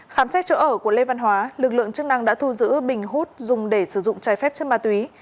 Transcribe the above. khám xét chỗ ở của lê văn hóa lực lượng chức năng đã thu giữ bình hút dùng để sử dụng trái phép chất ma túy